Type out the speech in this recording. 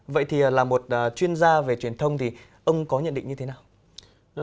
vậy thì là một chuyên gia về truyền thông thì ông có nhận định như thế nào